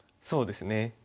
そうですね。